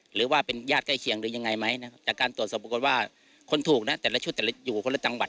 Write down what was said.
หรือว่าเป็นญาติใกล้เคียงหรือยังไงจากการตรวจสอบบังคลว่าคนถูกทุกชุดแต่ละอยู่ที่หลักจังหวัด